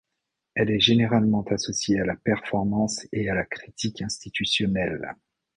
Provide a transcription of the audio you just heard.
Elle est généralement associée à la performance et à la critique institutionnelle.